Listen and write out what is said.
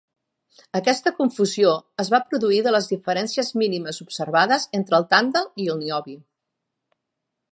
Aquesta confusió es va produir de les diferències mínimes observades entre el tàntal i el niobi.